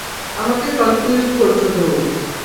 আমাকে কনফিউজড করেছো তুমি।